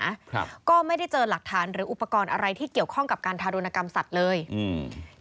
ครับก็ไม่ได้เจอหลักฐานหรืออุปกรณ์อะไรที่เกี่ยวข้องกับการทารุณกรรมสัตว์เลยอืม